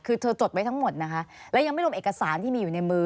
คือเธอจดไว้ทั้งหมดนะคะและยังไม่รวมเอกสารที่มีอยู่ในมือ